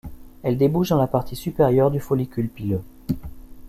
Elle débouche dans la partie supérieure du follicule pileux.